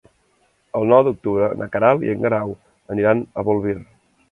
El nou d'octubre na Queralt i en Guerau aniran a Bolvir.